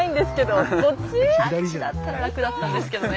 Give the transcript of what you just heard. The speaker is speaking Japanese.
あっちだったら楽だったんですけどね。